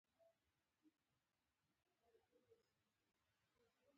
پرچمیانو د روسي استخباراتو د پرپوزل له مخې په خپل حاکمیت کې هڅه وکړه.